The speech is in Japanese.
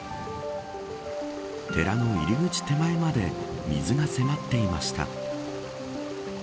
寺の入り口手前まで水が迫っていました。